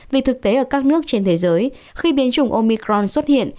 vì thực tế ở các nước trên thế giới khi biến chủng omicron xuất hiện